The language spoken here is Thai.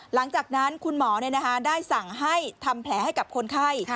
หลังจากนั้นคุณหมอได้สั่งให้ทำแผลให้กับคนไข้